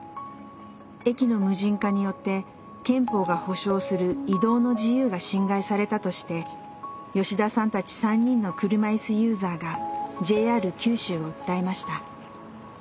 駅の無人化によって憲法が保障する「移動の自由」が侵害されたとして吉田さんたち３人の車いすユーザーがＪＲ九州を訴えました。